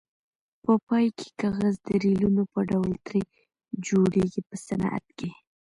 په پای کې کاغذ د ریلونو په ډول ترې جوړیږي په صنعت کې.